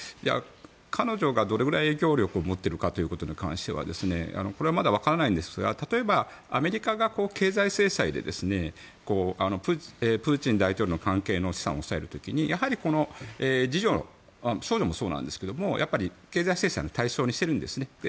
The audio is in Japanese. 彼女がどれぐらい影響力を持っているかということに関してこれはまだわからないんですが例えば、アメリカが経済制裁でプーチン大統領の関係の資産を押さえる時にやはりこの次女長女もそうですが経済制裁の対象にしているんですね。